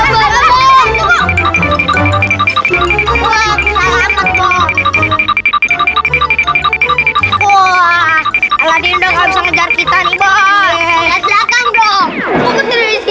waaah ala dindos gak bisa ngejar kita nih bos